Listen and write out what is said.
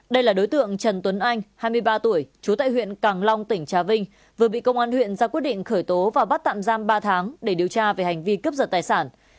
đây là đối tượng trần tuấn anh hai mươi ba tuổi trú tại huyện càng long tỉnh trà vinh vừa bị công an huyện ra quyết định khởi tố và bắt tạm giam ba tháng để điều tra về hành vi cướp giật tài sản